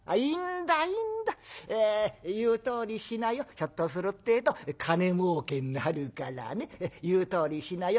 ひょっとするってえと金もうけになるからね言うとおりにしなよ。